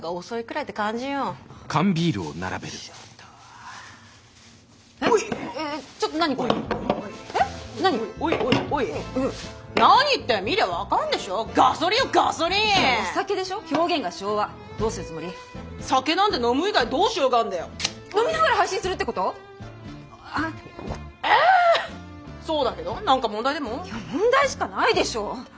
いや問題しかないでしょ！